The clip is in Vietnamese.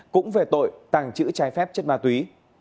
cũng về tội tàng trữ trái phép chất ma túy